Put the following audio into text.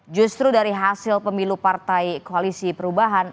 justru dari hasil pemilu partai koalisi perubahan